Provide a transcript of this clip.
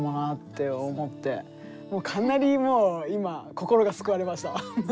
かなりもう今心が救われました。